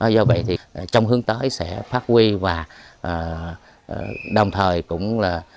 do vậy thì trong hướng tới sẽ phát huy và đồng thời cũng là